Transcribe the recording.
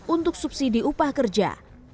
untuk subsidi upah kerja